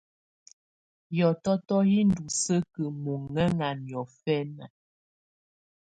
Hiɔtɔtɔ hi ndù sǝkǝ muŋɛŋa niɔ̀fɛna.